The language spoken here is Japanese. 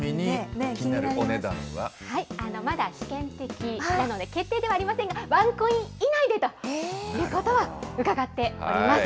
まだ試験的なので、決定ではありませんが、ワンコイン以内でということは伺っております。